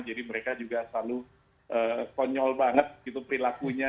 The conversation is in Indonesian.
jadi mereka juga selalu konyol banget gitu perilakunya